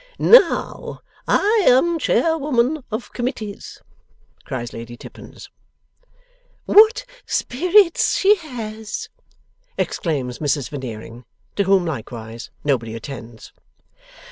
'Now, I am Chairwoman of Committees!' cries Lady Tippins. ['What spirits she has!' exclaims Mrs Veneering; to whom likewise nobody attends.)